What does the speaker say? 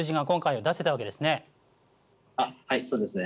はいそうですね。